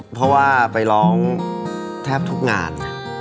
เพราะว่าไปร้องแทบทุกงาน